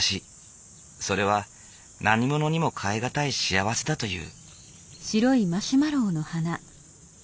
それは何物にも代え難い幸せだという。